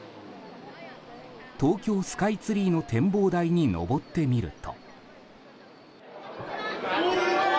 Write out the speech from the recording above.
東京スカイツリーの展望台に上ってみると。